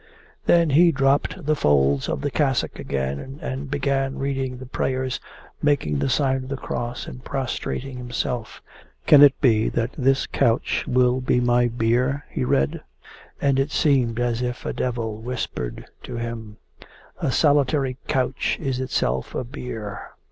Then he dropped the folds of the cassock again and began reading the prayers, making the sign of the cross and prostrating himself. 'Can it be that this couch will be my bier?' he read. And it seemed as if a devil whispered to him: 'A solitary couch is itself a bier.